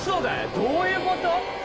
どういうこと？